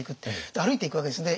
歩いていくわけですね。